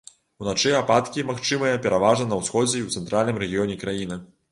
Уначы ападкі магчымыя пераважна на ўсходзе і ў цэнтральным рэгіёне краіны.